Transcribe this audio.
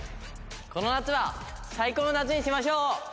この夏は最高の夏にしましょう！